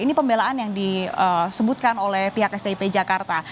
ini pembelaan yang disebutkan oleh pihak stip jakarta